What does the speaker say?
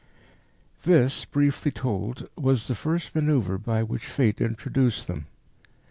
This, briefly told, was the first manoeuvre by which Fate introduced them.